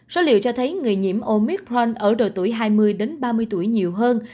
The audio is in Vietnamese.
số liệu cho thấy người nhiễm omicron ở độ tuổi hai mươi ba mươi tuổi nhiều hơn